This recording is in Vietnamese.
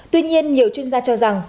tuy nhiên nhiều chuyên gia cho rằng